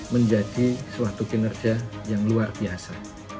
menjadi suatu kinerja yang luar biasa